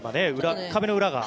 壁の裏が。